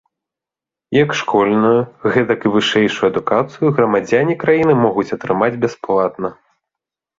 Як школьную, гэтак і вышэйшую адукацыю грамадзяне краіны могуць атрымаць бясплатна.